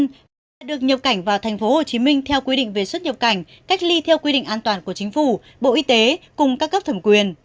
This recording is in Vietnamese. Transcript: khách quốc tế đã được nhập cảnh vào tp hcm theo quy định về xuất nhập cảnh cách ly theo quy định an toàn của chính phủ bộ y tế cùng các cấp thẩm quyền